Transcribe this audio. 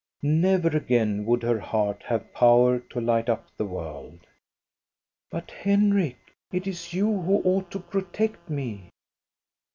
Never again would her heart have power to light up the world. " But, Henrik, it is you who ought to protect me."